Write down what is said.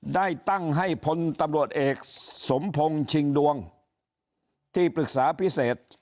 ได้ตั้งให้พลตำรวจเอกสมพงศ์ชิงดวงที่ปรึกษาพิเศษ